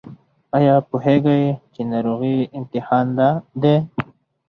ایا پوهیږئ چې ناروغي امتحان دی؟